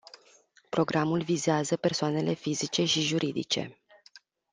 Programul vizează persoanele fizice și juridice.